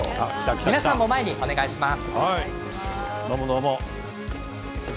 皆さんも前にお願いします。